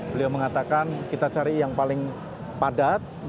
beliau mengatakan kita cari yang paling padat